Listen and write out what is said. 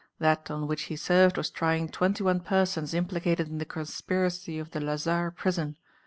That on which he served was trying twenty one persons implicated in the conspiracy of the Lazare prison.